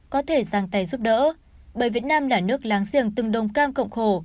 có thể giang tay giúp đỡ bởi việt nam là nước láng giềng từng đồng cam cộng khổ